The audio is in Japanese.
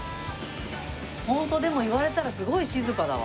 ホントでも言われたらすごい静かだわ。